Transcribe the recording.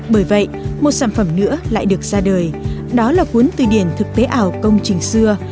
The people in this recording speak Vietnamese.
bởi vậy một sản phẩm nữa lại được ra đời đó là cuốn từ điển thực tế ảo công trình xưa